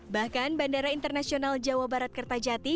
bahkan bandara internasional jawa barat kertajati